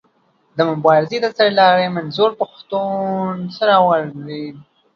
د مبارزې د سر لاري منظور پښتون سره ودرېد.